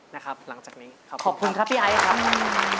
นะครับหลังจากนี้ขอบคุณครับพี่ไอ้ขอบคุณครับ